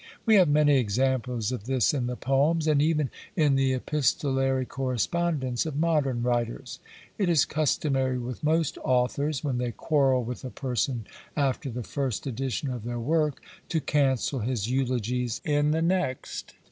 We have many examples of this in the poems, and even in the epistolary correspondence of modern writers. It is customary with most authors, when they quarrel with a person after the first edition of their work, to cancel his eulogies in the next.